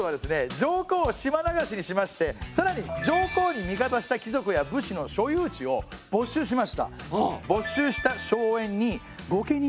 上皇を島流しにしましてさらに上皇に味方した貴族や武士の所有地を没収しました。